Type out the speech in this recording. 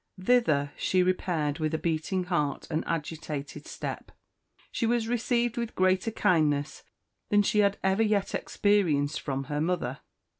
Thither she repaired with a beating heart and agitated step. She was received with greater kindness than she had ever yet experienced from her mother.